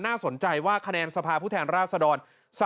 น่าสนใจว่าคะแนนสภาพผู้แทนราชดร